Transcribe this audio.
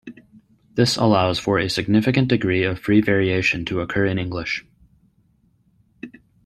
This allows for a significant degree of free variation to occur in English.